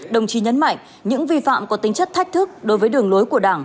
đồng chí nhấn mạnh những vi phạm có tính chất thách thức đối với đường lối của đảng